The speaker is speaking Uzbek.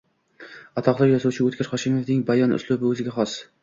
Atoqli yozuvchi O‘tkir Hoshimovning bayon uslubi o‘ziga xos.